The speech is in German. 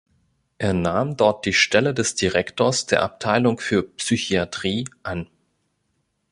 Er nahm dort die Stelle des Direktors der Abteilung für Psychiatrie an.